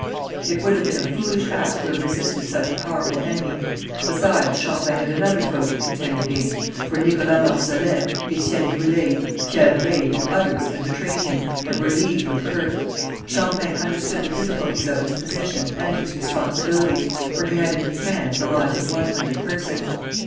It would have been a foolish act to have resisted such a powerful enemy. Besides, Champlain had another foe to contend against, for Nicholas Marsolet, Étienne Brûlé, Pierre Reye, and others, had betrayed him, and were leagued with Kirke. Champlain understood the difficulties of his position, and his responsibilities, for he had in his hands the lives of one hundred persons.